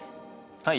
はい。